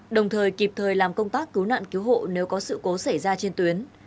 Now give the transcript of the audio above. đồng thời kịp thời làm công tác cứu nạn cứu hộ nếu có sự cố xảy ra trên tuyến